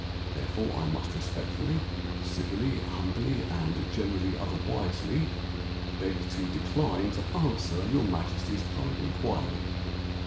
Therefore I must respectfully, civilly, humbly, and generally otherwisely Beg to decline to answer your Majesty's kind inquiry."